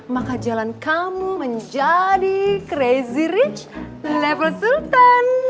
maka jalan kamu menjadi crazy rich di level sultan